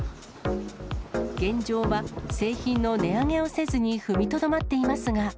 現状は、製品の値上げをせずに踏みとどまっていますが。